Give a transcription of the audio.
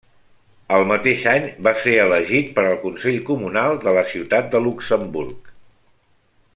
Al mateix any, va ser elegit per al Consell comunal de la ciutat de Luxemburg.